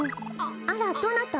あらどなた？